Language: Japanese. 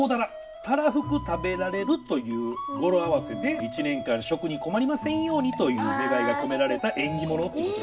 たらふく食べられるという語呂合わせで一年間食に困りませんようにという願いが込められた縁起物ってことですね。